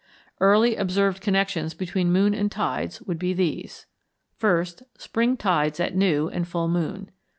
Early observed connections between moon and tides would be these: 1st. Spring tides at new and full moon.